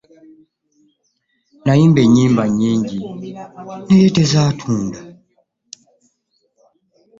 Nayimba ennyimba nnyingi naye tezaatunda.